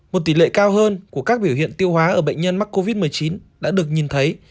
một tỷ lệ cao hơn của các biểu hiện tiêu hóa ở bệnh nhân mắc covid một mươi chín đã được nhìn thấy